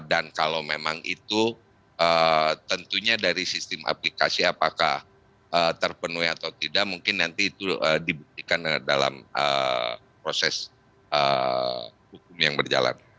dan kalau memang itu tentunya dari sistem aplikasi apakah terpenuhi atau tidak mungkin nanti itu diberikan dalam proses hukum yang berjalan